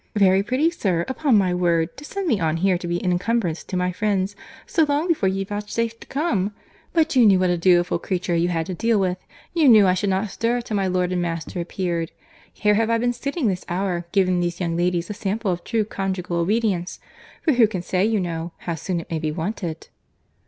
"Very pretty, sir, upon my word; to send me on here, to be an encumbrance to my friends, so long before you vouchsafe to come!—But you knew what a dutiful creature you had to deal with. You knew I should not stir till my lord and master appeared.—Here have I been sitting this hour, giving these young ladies a sample of true conjugal obedience—for who can say, you know, how soon it may be wanted?"